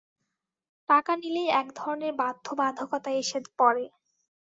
টাকা নিলেই এক ধরনের বাধ্যবাধকতা এসে পড়ে।